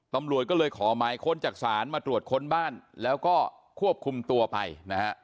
ตำรวจก็เลยขอหมายค้นจากศาลมาตรวจค้นบ้านแล้วก็ควบคุมตัวไปนะฮะ